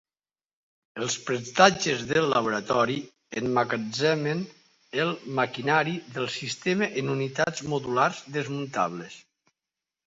Els prestatges del laboratori emmagatzemen el maquinari del sistema en unitats modulars desmuntables.